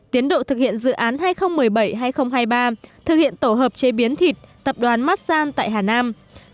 tiến độ thực hiện dự án hai nghìn một mươi bảy hai nghìn hai mươi ba thực hiện tổ hợp chế biến thịt tập đoàn massan tại hà nam